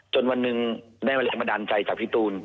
จนวันหนึ่งได้มาด่านใจจากพี่ตูน